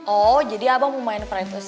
oh jadi abah mau main privacy privacy